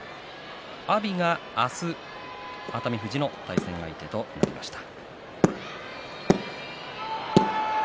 阿炎は明日熱海富士の対戦相手となりました。